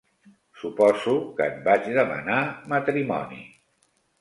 Suposo que et vaig demanar matrimoni.